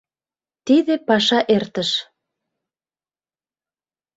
Тиде паша эртыш.